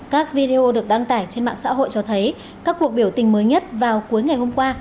các video được đăng tải trên mạng xã hội cho thấy các cuộc biểu tình mới nhất vào cuối ngày hôm qua